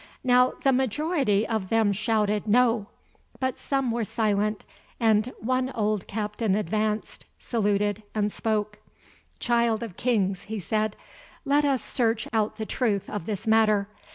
Now the majority of them shouted "No," but some were silent, and one old captain advanced, saluted, and spoke. "Child of Kings," he said, "let us search out the truth of this matter.